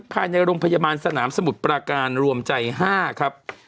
ภายในโรงพยาบาลสนามสมุทรปราการรวมใจ๕ครับ